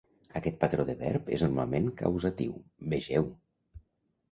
Aquest patró de verb és normalment causatiu, vegeu.